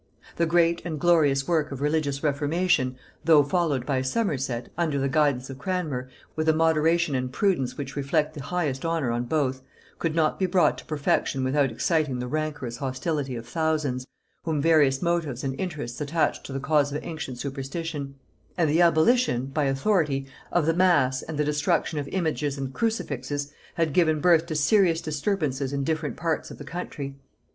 The great and glorious work of religious reformation, though followed by Somerset, under the guidance of Cranmer, with a moderation and prudence which reflect the highest honor on both, could not be brought to perfection without exciting the rancorous hostility of thousands, whom various motives and interests attached to the cause of ancient superstition; and the abolition, by authority, of the mass, and the destruction of images and crucifixes, had given birth to serious disturbances in different parts of the country.